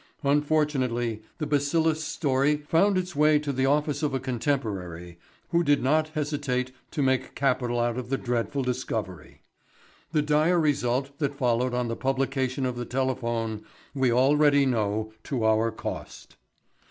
Unfortunately the bacillus story found its way to the office of a contemporary, who did not hesitate to make capital out of the dreadful discovery. The dire result that followed on the publication of the Telephone we already know to our cost.